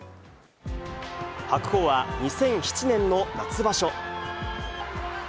白鵬は、２００７年の夏場所。